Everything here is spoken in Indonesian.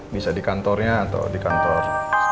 bisa di kantornya atau di kantor